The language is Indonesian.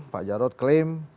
pak jarod klaim